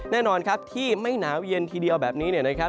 แน่นอนครับที่ไม่หนาวเย็นทีเดียวแบบนี้เนี่ยนะครับ